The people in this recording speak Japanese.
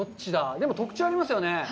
でも、特徴がありますよね？